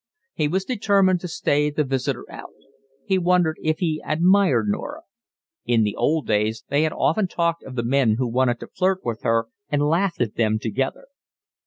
He was determined to stay the visitor out. He wondered if he admired Norah. In the old days they had often talked of the men who wanted to flirt with her and had laughed at them together.